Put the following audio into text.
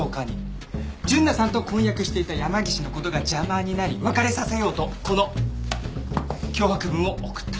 純奈さんと婚約していた山岸の事が邪魔になり別れさせようとこの脅迫文を送った。